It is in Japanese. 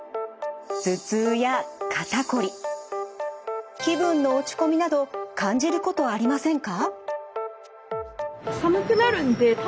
頭痛や肩こり気分の落ち込みなど感じることありませんか？